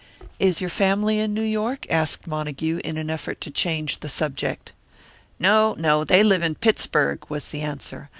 "Is your family in New York?" asked Montague, in an effort to change the subject. "No, no, they live in Pittsburg," was the answer.